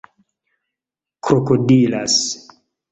krokodilas